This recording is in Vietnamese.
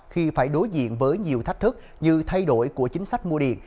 khi phải đối diện với nhiều thách thức như thay đổi của chính sách mua điện